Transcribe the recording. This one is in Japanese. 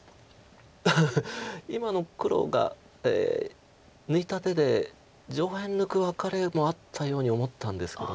今の黒が抜いた手で上辺抜くワカレもあったように思ったんですけど。